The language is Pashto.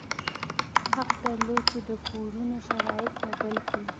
حق درلود چې د پورونو شرایط بدل کړي.